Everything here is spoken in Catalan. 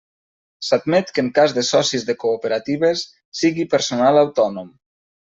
S'admet que en cas de socis de cooperatives sigui personal autònom.